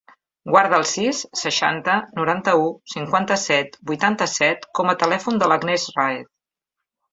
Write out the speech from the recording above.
Guarda el sis, seixanta, noranta-u, cinquanta-set, vuitanta-set com a telèfon de l'Agnès Raez.